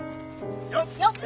よっ！